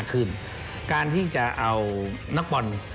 ก็คือคุณอันนบสิงต์โตทองนะครับ